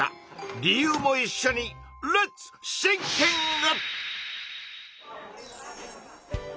理由もいっしょにレッツシンキング！